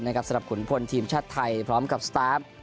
สำหรับขุนพลทีมชาติไทยพร้อมกับสตาฟ